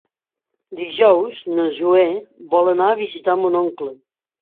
Dijous na Zoè vol anar a visitar mon oncle.